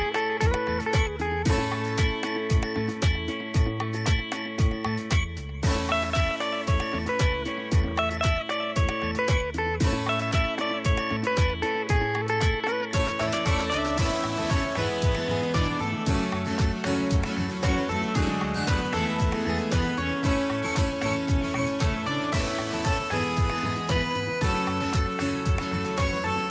โปรดติดตามตอนต่อไป